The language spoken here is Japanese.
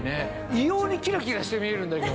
異様にキラキラして見えるんだけど。